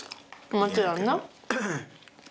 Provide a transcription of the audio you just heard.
もちろんね。